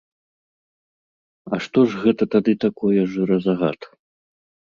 А што ж гэта тады такое жыразагад?